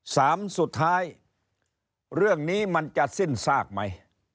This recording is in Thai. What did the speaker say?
สามสุดท้ายเรื่องนี้มันจะสิ้นทราบมั้ย